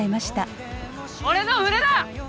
俺の船だ！